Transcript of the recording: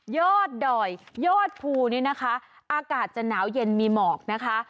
ยอดดอยยอดภูนี่นะคะอากาศจะหนาวเย็นมีหมอกนะคะ